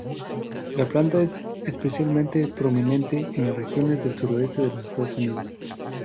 La planta es especialmente prominente en las regiones del sureste de los Estados Unidos.